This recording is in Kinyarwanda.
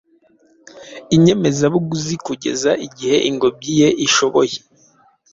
Inyemezabuguzi kugeza igihe ingobyi ye ishoboye